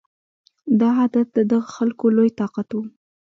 دا عادت د دغه خلکو لوی طاقت و